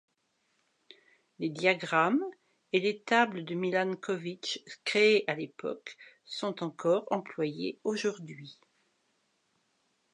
Les diagrammes et les tables de Milankovitch créées à l'époque sont encore employés aujourd'hui.